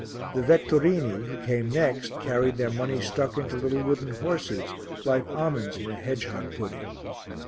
The Vetturini, who came next, carried their money stuck into little wooden horses, like almonds in a hedgehog pudding.